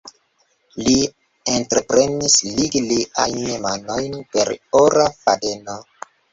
Li entreprenis ligi liajn manojn per ora fadeno.